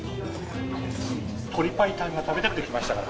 鶏白湯が食べたくて来ました